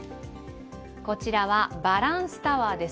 こちらはバランスタワーです